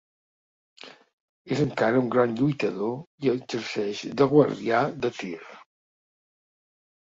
És encara un gran lluitador, i exerceix de guardià de Tyr.